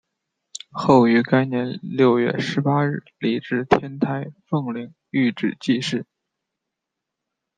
后于该年六月十八日礼置天台奉领玉旨济世。